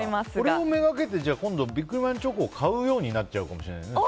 これをめがけて今度ビックリマンチョコを買うようになっちゃうかも。